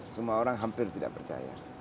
semua orang hampir tidak percaya